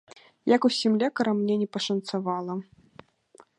Як усім лекарам, мне не пашанцавала.